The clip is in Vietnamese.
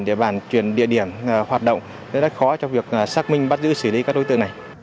để bàn chuyển địa điểm hoạt động rất khó cho việc xác minh bắt giữ xử lý các đối tượng này